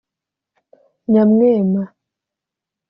nyamwema